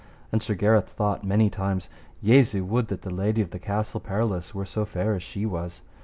And Sir Gareth thought many times, Jesu, would that the lady of the Castle Perilous were so fair as she was.